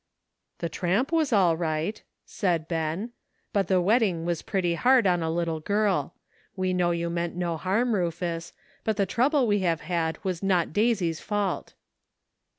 "The tramp was all right," said Ben, "but the wetting was pretty hard on a little girl. We know you meant no harm, Rufus, but the trouble we have had was not Daisy's fault."